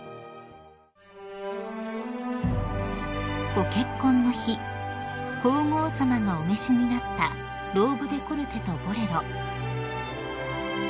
［ご結婚の日皇后さまがお召しになったローブ・デコルテとボレロ］